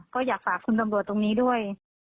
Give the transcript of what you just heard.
ก็อยากฝากคุณตำรวจตรงนี้ด้วย